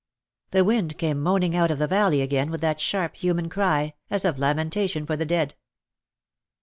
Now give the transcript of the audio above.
The wind came moaning out of the valley again with that sharp human cry, as of lamentation for the dead.